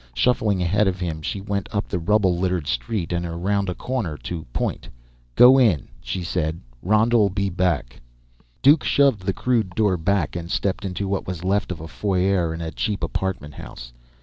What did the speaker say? Shuffling ahead of him, she went up the rubble littered street and around a corner, to point. "Go in," she said. "Ronda'll be back." Duke shoved the crude door back and stepped into what was left of a foyer in a cheap apartment house.